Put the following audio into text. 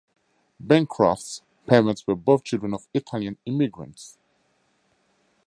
Bancroft's parents were both children of Italian immigrants.